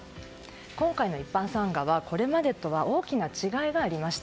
今回の一般参賀は、これまでとは大きな違いがありました。